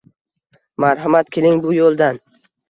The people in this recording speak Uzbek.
Marhamat, keling, bu yo'ldan.